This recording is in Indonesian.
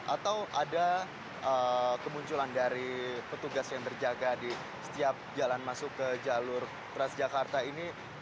atau ada kemunculan dari petugas yang berjaga di setiap jalan masuk ke jalur transjakarta ini